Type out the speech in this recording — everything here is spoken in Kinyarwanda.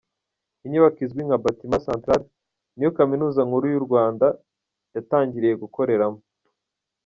Inyubako izwi nka “Batiment Central” ni yo Kaminuza Nkuru y’u Rwanda yatangiriye gukoreramo.